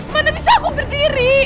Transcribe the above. mana bisa aku berdiri